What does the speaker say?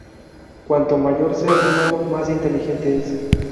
Cuanto mayor sea el número, más inteligente es.